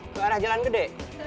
ke arah jalan gede